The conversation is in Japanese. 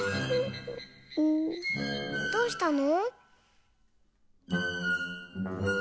どうしたの？